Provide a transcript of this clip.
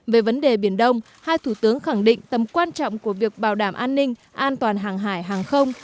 về vấn đề biển đông hai thủ tướng khẳng định tầm quan trọng của việc bảo đảm an ninh an toàn hàng hải hàng không